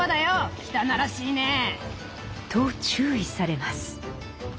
汚らしいね。と注意されます。